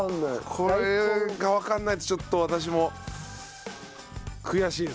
これがわかんないとちょっと私も悔しいですね。